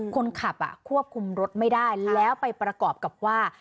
ควบคุมรถไม่ได้แล้วไปประกอบกับว่า